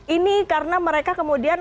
ini karena mereka kemudian